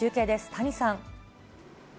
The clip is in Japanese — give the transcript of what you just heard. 谷さん。